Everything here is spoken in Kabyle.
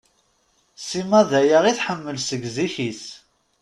Sima daya i tḥemmel seg zik-is.